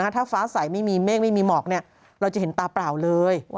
ถ้าฟ้าใสไม่มีเมฆไม่มีหมอกเราจะเห็นตาเปล่าเลย